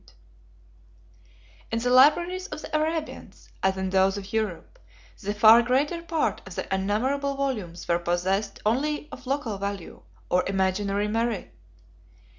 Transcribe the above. ] In the libraries of the Arabians, as in those of Europe, the far greater part of the innumerable volumes were possessed only of local value or imaginary merit.